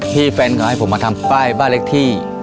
พี่แฟนของให้ผมก็มาทำป้าอีขี่บ้าเล็กที่